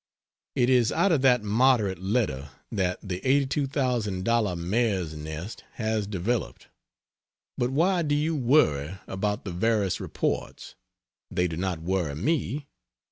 It is out of that moderate letter that the Eighty Two Thousand Dollar mare's nest has developed. But why do you worry about the various reports? They do not worry me.